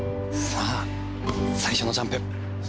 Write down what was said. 最初のジャンプ。